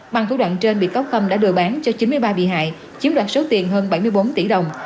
bằng thủ đoạn trên bị cáo khâm đã đưa bán cho chín mươi ba bị hại chiếm đoạt số tiền hơn bảy mươi bốn tỷ đồng